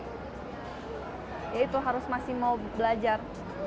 kita harus masih mau belajar